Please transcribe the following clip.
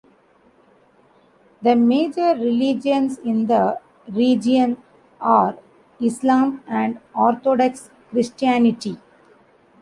The major religions in the region are Islam and Orthodox Christianity.